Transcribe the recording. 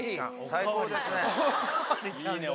最高ですね。